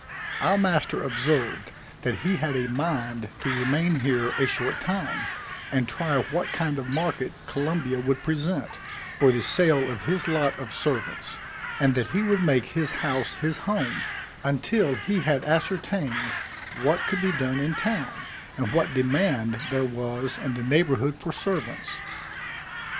Our master observed that he had a mind to remain here a short time, and try what kind of market Columbia would present, for the sale of his lot of servants; and that he would make his house his home, until he had ascertained what could be done in town, and what demand there was in the neighborhood for servants.